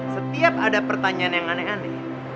setiap ada pertanyaan yang aneh aneh